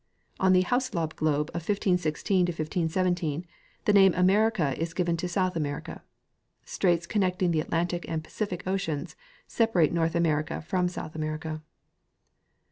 On the Hauslab globe of 1516 1517 the name "America" is given to South America. Straits con necting the Atlantic and Pacific oceans separate North America from South America.